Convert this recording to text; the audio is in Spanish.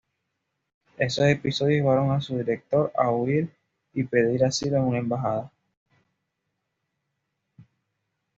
Esos episodios llevaron a su director a huir y pedir asilo en una embajada.